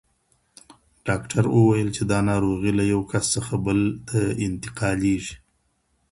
ډاکټر وویل چې دا ناروغي له یو کس څخه بل ته انتقالیږي.